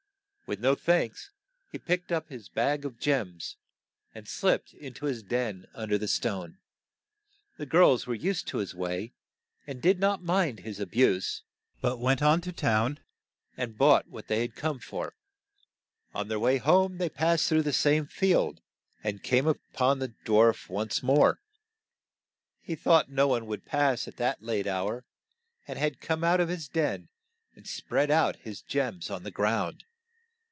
With no thanks, he picked up his bag of gems, and slipped in to his den un der the stone. The girls were used to his way, and did not mind his a buse. but went on to town and bought what they had come for. On their way home they passed through the same field, and SNOW WHITE AND RED ROSE 35 came on the dwarf once more. He thought no one would pass at that late hour, and had come out of his den and spread out his gems on the ground.